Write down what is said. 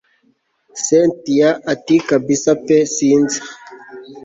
cyntia ati kabsa pe sinzi